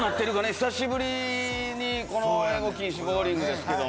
久しぶりにこの英語禁止ボウリングですけども。